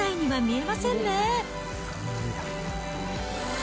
え？